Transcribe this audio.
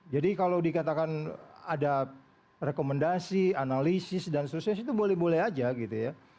jadi kalau dikatakan ada rekomendasi analisis dan seterusnya itu boleh boleh aja gitu ya